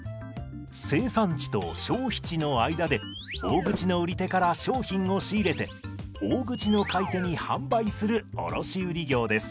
生産地と消費地の間で大口の売り手から商品を仕入れて大口の買い手に販売する卸売業です。